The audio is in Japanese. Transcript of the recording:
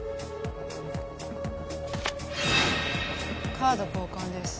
カード交換です。